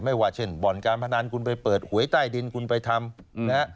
ว่าเช่นบ่อนการพนันคุณไปเปิดหวยใต้ดินคุณไปทำนะฮะ